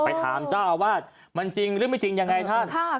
ถามเจ้าอาวาสมันจริงหรือไม่จริงยังไงท่าน